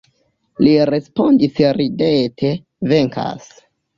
Li respondis ridete, venkas.